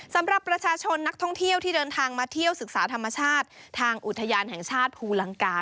สำหรับประชาชนนักท่องเที่ยวที่เดินทางมาเที่ยวศึกษาธรรมชาติทางอุทยานแห่งชาติภูลังกา